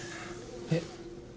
えっ？